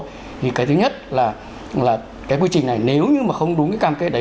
thì cái thứ nhất là cái quy trình này nếu như mà không đúng cái cam kết đấy